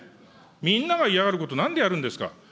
みんなが嫌がることをなんでやるんですか。